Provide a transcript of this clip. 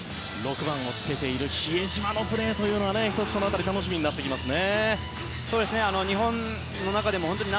６番をつけている比江島のプレーというのは１つ、その辺り楽しみになってきますね。